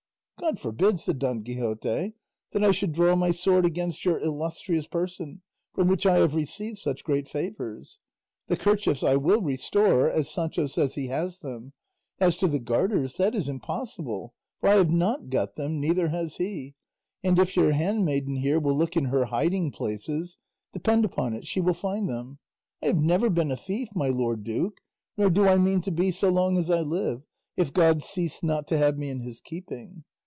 "God forbid," said Don Quixote, "that I should draw my sword against your illustrious person from which I have received such great favours. The kerchiefs I will restore, as Sancho says he has them; as to the garters that is impossible, for I have not got them, neither has he; and if your handmaiden here will look in her hiding places, depend upon it she will find them. I have never been a thief, my lord duke, nor do I mean to be so long as I live, if God cease not to have me in his keeping.